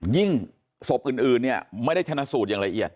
ยิ่งสบอื่นไม่ได้ชนะสูตรอย่างละเอียด